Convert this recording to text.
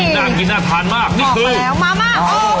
นี่คือมาม่าโอ้โหน่ากินน่าทานมาก